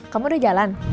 kamu udah jalan